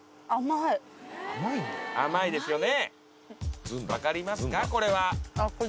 甘いですよね。